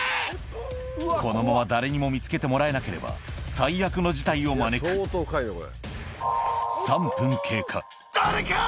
このまま誰にも見つけてもらえなければ最悪の事態を招く相当深いよこれ。